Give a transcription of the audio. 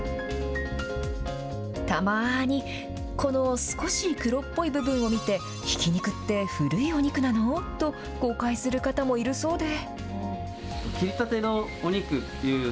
たまーに、この少し黒っぽい部分を見て、ひき肉って古いお肉なの？って誤解する方もいるそうで。